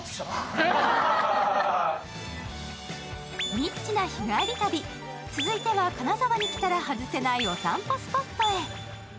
ニッチな日帰り旅、続いては金沢に来たら外せないお散歩スポットへ。